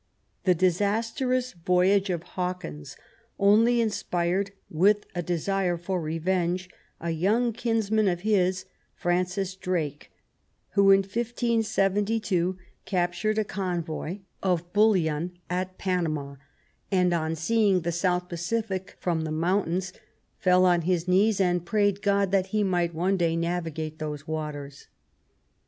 The disastrous voyage of Hawkins only inspired with a desire for revenge a young kinsman of his, Francis Drake, who, in 1572, captured a convoy of bullion at Panama, and on seeing the South Pacific from the mountains, *' fell on his knees and prayed God that he might one day navigate those waters '*.